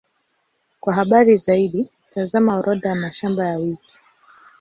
Kwa habari zaidi, tazama Orodha ya mashamba ya wiki.